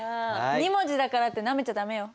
２文字だからってなめちゃ駄目よ。